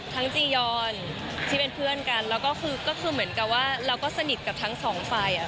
จียอนที่เป็นเพื่อนกันแล้วก็คือก็คือเหมือนกับว่าเราก็สนิทกับทั้งสองฝ่าย